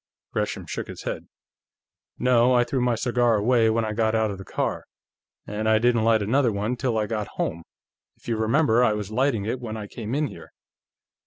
Gresham shook his head. "No. I threw my cigar away when I got out of the car, and I didn't light another one till I got home. If you remember, I was lighting it when I came in here."